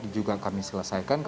juga kami selesaikan